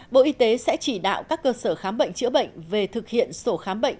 bộ y tế sẽ chỉ đạo các cơ sở khám bệnh chữa bệnh về thực hiện sổ khám bệnh